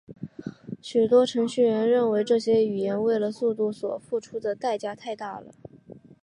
许多程序员认为这些语言为了速度所付出的代价太大了。